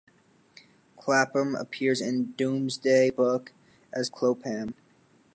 Clapham appears in Domesday Book as "Clopeham".